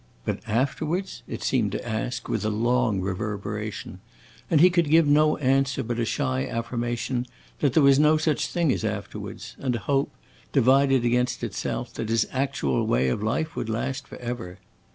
"But afterwards...?" it seemed to ask, with a long reverberation; and he could give no answer but a shy affirmation that there was no such thing as afterwards, and a hope, divided against itself, that his actual way of life would last forever.